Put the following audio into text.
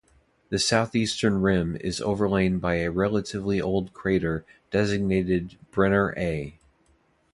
The southeastern rim is overlain by a relatively old crater designated Brenner A.